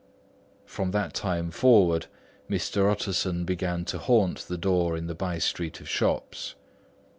From that time forward, Mr. Utterson began to haunt the door in the by street of shops.